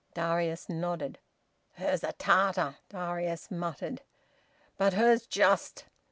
Darius nodded. "Her's a Tartar!" Darius muttered. "But her's just!